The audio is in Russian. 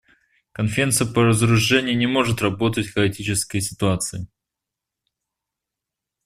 Конференция по разоружению не может работать в хаотической ситуации.